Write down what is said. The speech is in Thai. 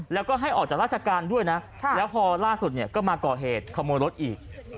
แล้วก็ให้ออกจากราชการด้วยนะแล้วพอล่าสุดเนี่ยก็มาก่อเหตุขโมยรถอีก